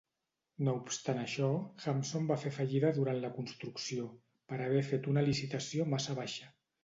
No obstant això, Hansom va fer fallida durant la construcció, per haver fet una licitació massa baixa.